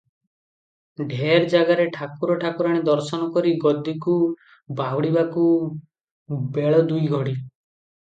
ଢେର ଜାଗାରେ ଠାକୁର ଠାକୁରାଣୀ ଦର୍ଶନ କରି ଗଦିକୁ ବାହୁଡିବାକୁ ବେଳ ଦୁଇ ଘଡ଼ି ।